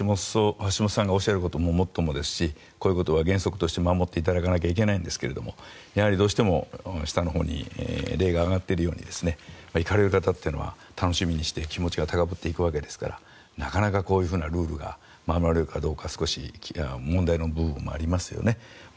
橋本さんがおっしゃることももっともですし、こういうことは原則として守っていただかないといけないんですけどもどうしても、下のほうに例が挙がっているように行かれる方は楽しみにして気持ちが高ぶって行くわけですからなかなか、こういうふうなルールが守られるかどうか少し問題の部分もありますよね。